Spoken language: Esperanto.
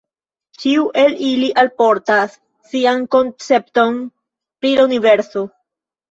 Ĉiu el ili alportas sian koncepton pri la universo.